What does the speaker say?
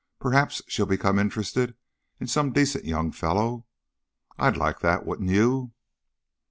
Perhaps she'll become interested in some decent young fellow. I'd like that, wouldn't you?"